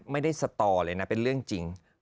ไม่ได้สตอเลยนะเป็นเรื่องจริง